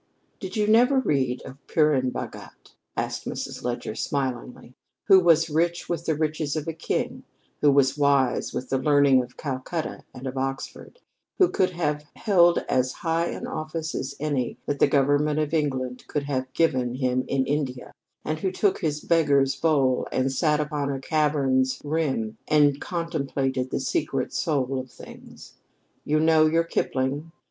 "Did you never read of Purun Bhagat," asked Mrs. Leger smilingly, "who was rich with the riches of a king; who was wise with the learning of Calcutta and of Oxford; who could have held as high an office as any that the Government of England could have given him in India, and who took his beggar's bowl and sat upon a cavern's rim and contemplated the secret soul of things? You know your Kipling.